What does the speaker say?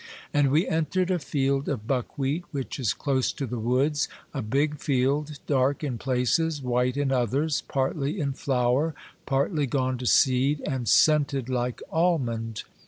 And we entered a field of buckwheat which is close to the woods, a big field dark in places, white in others, partly in flower, partly gone to seed, and scented like almond.